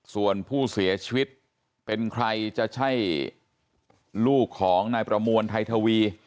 ส่วนผู้เสียชีวิตเป็นใครจะใช่ลูกของนายประมวลไทยทวี